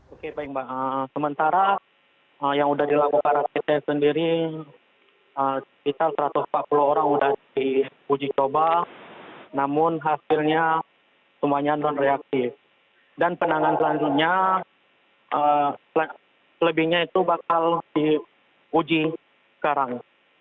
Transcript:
oke baik mbak sementara yang sudah dilakukan rapid test sendiri sekitar satu ratus empat puluh orang sudah diuji coba namun hasilnya semuanya non reaktif dan penangan selanjutnya selebihnya itu bakal diuji sekarang